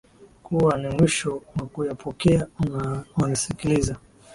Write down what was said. kuwa ni mwisho wa kuyapokea unanisikiliza